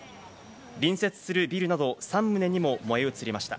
隣接するビルなど３棟にも燃え移りました。